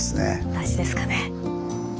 大事ですかね。